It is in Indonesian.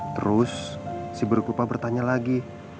terus si buruk rupa bertanya lagi